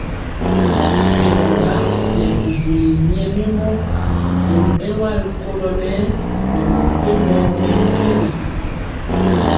Diɔga nɛ bubuli nyɛmemɔ bori bɛwa rikolo nɛɛ boro mepempɔ mɛmpegi.